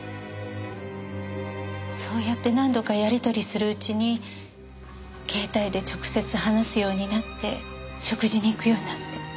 そうやって何度かやり取りするうちに携帯で直接話すようになって食事に行くようになって。